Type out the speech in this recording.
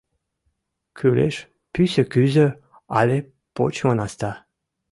Кӱлеш пӱсӧ кӱзӧ але почмо наста.